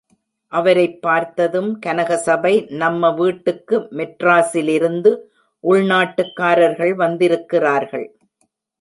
அவரைப் பார்த்ததும், கனகசபை நம்ம வீட்டுக்கு மெட்ராசிலிருந்து உள்நாட்டுகாரர்கள் வந்திருக்கிறார்கள்.